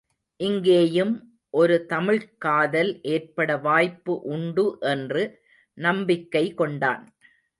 இங்கேயும் ஒரு தமிழ்க் காதல் ஏற்பட வாய்ப்பு உண்டு என்று நம்பிக்கை கொண்டான்.